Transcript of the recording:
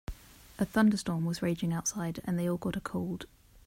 A thunderstorm was raging outside and they all got a cold.